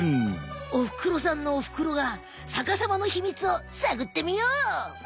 おふくろさんのおふくろがさかさまのヒミツをさぐってみよう！